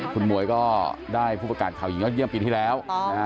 คุณหมวยก็ได้ผู้ประกาศข่าวหญิงยอดเยี่ยมปีที่แล้วนะฮะ